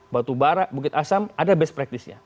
batu bara bukit asam ada best practice nya